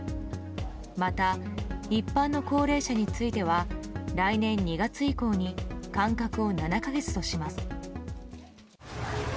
また、一般の高齢者については来年２月以降に間隔を７か月とします。